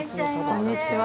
こんにちは。